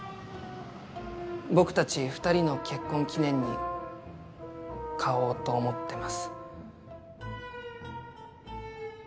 僕たち二人の結婚記念に買おうと思ってます。